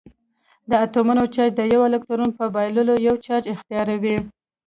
د اتومونو چارج د یوه الکترون په بایللو یو چارج اختیاروي.